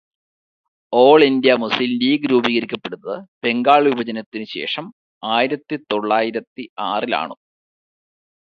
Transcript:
ഓള് India Muslim League രൂപീകരിക്കപ്പെടുന്നത്, ബംഗാള് വിഭജനത്തിനു ശേഷം, ആയിരത്തിത്തൊള്ളായിരത്തി ആറിൽ ആണു.